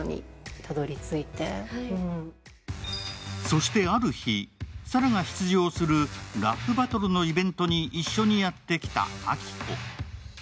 そしてある日、沙羅が出場するラップバトルのイベントに一緒にやってきた明子。